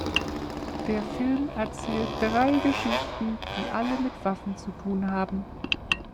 Der Film erzählt drei Geschichten, die alle mit Waffen zu tun haben.